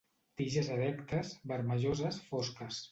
Tiges erectes, vermelloses fosques.